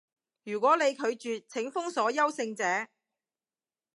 如果你拒絕，請封鎖優勝者